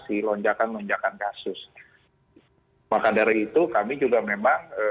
itu kami juga memang